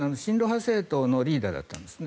政党のリーダーだったんですね。